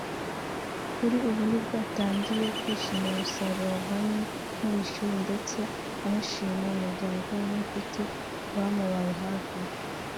kuri ubu nibwo atangiye kwishimira umusaruro avanye mu ishuri ndetse anashimira umuryango we n’nshuti bamubaye hafi